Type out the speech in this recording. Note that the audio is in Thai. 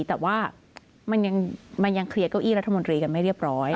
แต่ว่ามันยังเคลียร์เก้าอี้รัฐมนตรีกันไม่เรียบร้อย